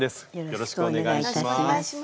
よろしくお願いします。